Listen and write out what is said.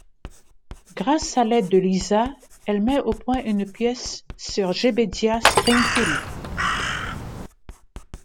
Grâce à l'aide de Lisa, elle met au point une pièce sur Jebediah Springfield.